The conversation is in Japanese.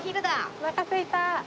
おなかすいた。